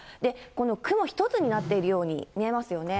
この、雲一つになっているように見えますよね。